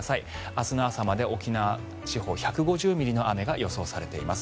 明日の朝まで沖縄地方１５０ミリの雨が予想されています。